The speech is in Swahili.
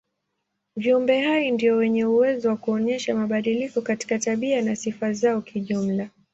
Viumbe hai ndio wenye uwezo wa kuonyesha mabadiliko katika tabia na sifa zao kijumla.